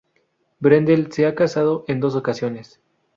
Brendel se ha casado en dos ocasiones.